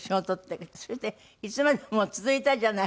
それで「いつまでも続いたじゃない！